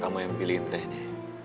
kamu yang pilihin tehnya